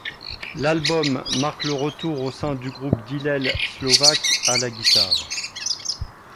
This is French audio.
L'album marque le retour au sein du groupe d'Hillel Slovak à la guitare.